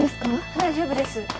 大丈夫です。